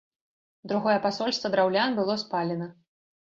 Другое пасольства драўлян было спалена.